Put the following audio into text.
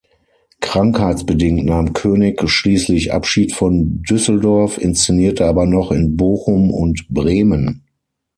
Krankheitsbedingt nahm König schließlich Abschied von Düsseldorf, inszenierte aber noch in Bochum und Bremen.